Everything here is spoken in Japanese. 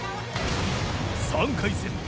３回戦